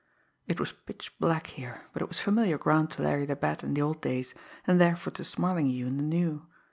It was pitch black here, but it was familiar ground to Larry the Bat in the old days, and therefore to Smarlinghue in the new.